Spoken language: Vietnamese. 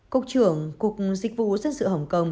cục trưởng cục dịch vụ dân sự hồng kông